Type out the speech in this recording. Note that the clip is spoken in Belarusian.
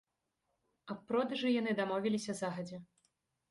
Аб продажы яны дамовіліся загадзя.